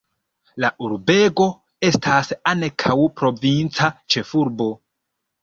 La urbego estas ankaŭ provinca ĉefurbo.